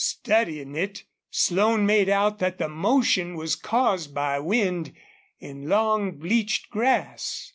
Studying it, Slone made out that the motion was caused by wind in long bleached grass.